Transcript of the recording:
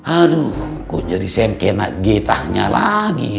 aduh kok jadi sengkena getahnya lagi